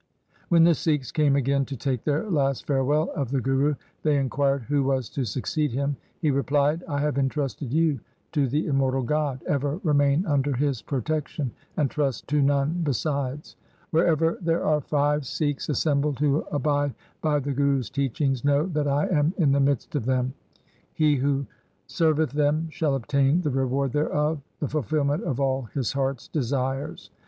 When the Sikhs came again to take their last fare well of the Guru, they inquired who was to succeed him. He replied, ' I have entrusted you to the immortal God. Ever remain under His protection, and trust to none besides. Wherever there are five R 2 THE SIKH RELIGION Sikhs assembled who abide by the Guru's teachings, know that I am in the midst of them. He who serveth them shall obtain the reward thereof — the fulfilment of all his heart's desires.